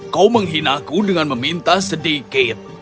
kau menghina aku dengan meminta sedikit